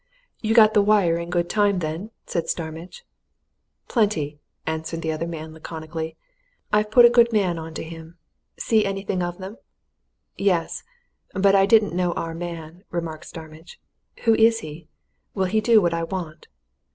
"You got the wire in good time, then?" said Starmidge. "Plenty!" answered the other man laconically. "I've put a good man on to him. See anything of them?" "Yes but I didn't know our man," remarked Starmidge. "Who is he? Will he do what I want?"